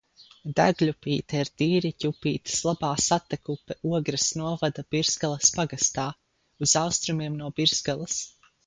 Degļupīte ir Dīriķupītes labā satekupe Ogres novada Birzgales pagastā, uz austrumiem no Birzgales.